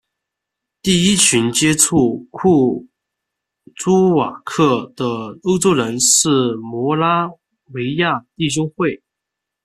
第一群接触库朱瓦克的欧洲人是摩拉维亚弟兄会。